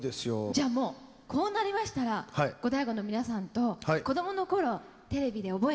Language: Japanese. じゃあもうこうなりましたらゴダイゴの皆さんとこどもの頃テレビで覚えたあの曲。